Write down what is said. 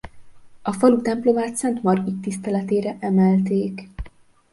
A falu templomát Szent Margit tiszteletére emelték.